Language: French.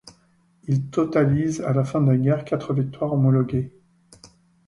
Il totalise à la fin de la guerre quatre victoires homologuées.